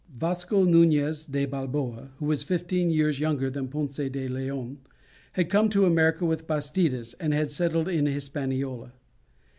Vasco Nuñez de Balboa, who was fifteen years younger than Ponce de Leon, had come to America with Bastidas and had settled in Hispaniola.